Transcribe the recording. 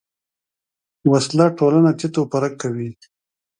وسله ټولنه تیت و پرک کوي